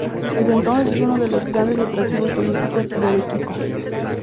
Desde entonces es uno de los grandes atractivos turísticos de Arequipa.